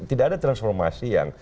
tidak ada transformasi yang